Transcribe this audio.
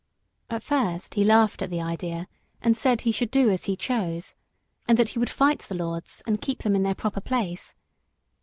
At first he laughed at the idea, and said he should do as he chose, and that he would fight the lords and keep them in their proper place.